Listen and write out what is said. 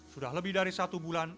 sudah lebih dari satu bulan